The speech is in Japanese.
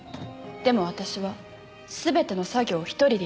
でも私は全ての作業を１人でやります。